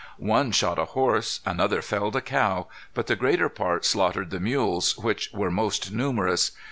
"One shot a horse. Another felled a cow. But the greater part slaughtered the mules, which were most numerous.